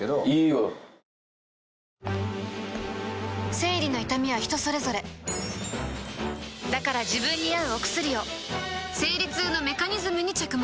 生理の痛みは人それぞれだから自分に合うお薬を生理痛のメカニズムに着目